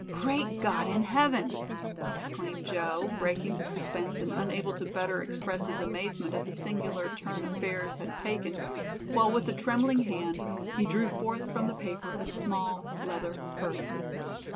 "Great God in Heaven," exclaimed Joe, breaking the suspense and unable to better express his amazement at the singular turn affairs had taken, while with a trembling hand he drew forth from the paper a small leather purse.